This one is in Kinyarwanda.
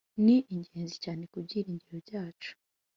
ni ingenzi cyane ku byiringiro byacu.